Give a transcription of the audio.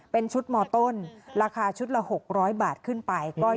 เป็นชุดมต้นราคาชุดละ๖๐๐บาทขึ้นไป